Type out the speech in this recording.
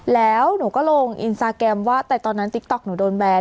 แล้วหนูก็ลงอินซาแกรมว่าแต่ตอนนั้นหนูโดนแบรนด์